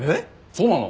そうなの？